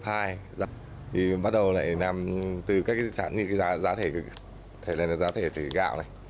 thì bắt đầu lại làm từ các cái giá thể gạo này